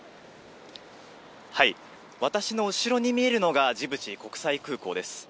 私の後ろに見えるのが、ジブチ国際空港です。